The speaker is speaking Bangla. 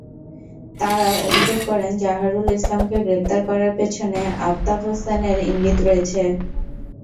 তাঁরা অভিযোগ করেন, জাহারুল ইসলামকে গ্রেপ্তার করার পেছনে আফতাব হোসেনের ইঙ্গিত রয়েছে।